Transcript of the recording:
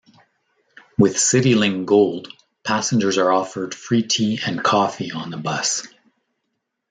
With Citylink Gold, passengers are offered free tea and coffee on the bus.